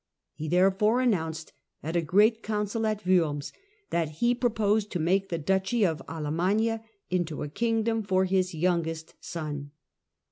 He therefore announced, at a great council at Worms, that he proposed to make the Duchy of Alemannia into a kingdom for his youngest son.